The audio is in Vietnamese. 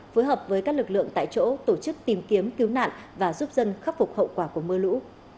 phối hợp với các lực lượng tại chỗ tổ chức tìm kiếm cứu nạn và giúp dân khắc phục hậu quả của mưa lũ